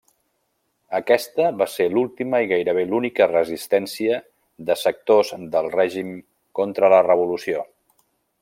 Aquesta va ser l'última i gairebé l'única resistència de sectors del règim contra la Revolució.